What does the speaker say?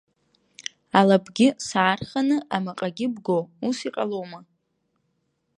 Алабгьы саарханы амаҟагьы бго, ус иҟалома!